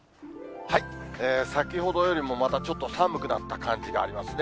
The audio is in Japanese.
先ほどよりもまたちょっと寒くなった感じがありますね。